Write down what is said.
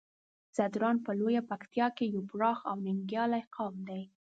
ځدراڼ په لويه پکتيا کې يو پراخ او ننګيالی قوم دی.